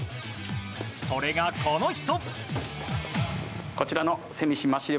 それがこの人。